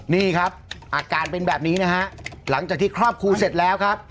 นี่ครับอาการเป็นแบบนี้นะฮะหลังจากที่ครอบครูเสร็จแล้วครับ